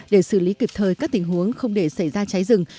để xử lý kịp thời các tình huống không để xảy ra cháy rừng